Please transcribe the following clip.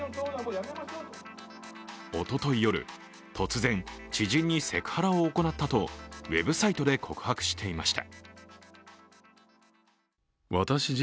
おととい夜、突然、知人にセクハラを行ったとウェブサイトで告白していました。